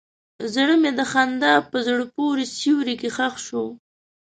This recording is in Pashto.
زړه مې د خندا په زړه پورې سیوري کې ښخ شو.